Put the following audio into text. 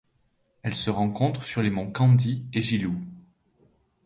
Elle se rencontre sur les monts Kaindi et Giluwe.